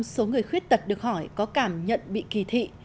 bốn mươi ba số người khuyết tật được hỏi có cảm nhận bị kỳ thị